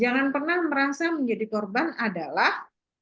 jangan pernah merasa menjadi korban adalah